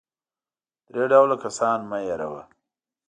درې ډوله کسان مه هېروه .